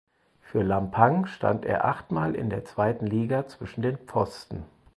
Für Lampang stand er achtmal in der zweiten Liga zwischen den Pfosten.